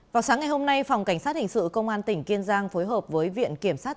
vào sáng ngày hôm nay phòng cảnh sát hình sự công an tỉnh kiên giang phối hợp với viện kiểm sát